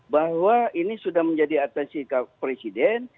bahwa ini sudah menjadi atensi presiden